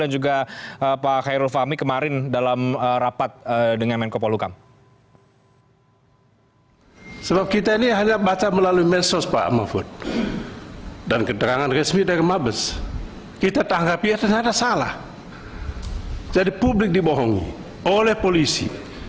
dan juga pak khairul fahmi kemarin dalam rapat dengan menko polisi